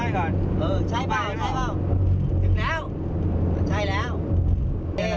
ไกลแล้วไกลแล้ว